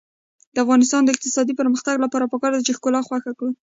د افغانستان د اقتصادي پرمختګ لپاره پکار ده چې ښکلا خوښه کړو.